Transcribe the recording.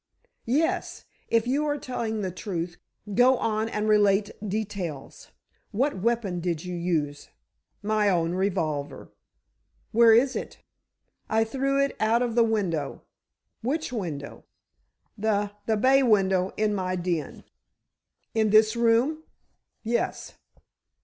"Yes; if you are telling the truth, go on, and relate details. What weapon did you use?" "My own revolver." "Where is it?" "I threw it out of the window." "Which window?" "The—the bay window, in my den." "In this room?" "Yes."